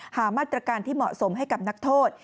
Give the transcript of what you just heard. หามาตรการที่เหมาะสมให้กับนักโทษ